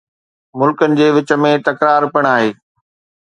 ملڪن جي وچ ۾ تڪرار پڻ آهي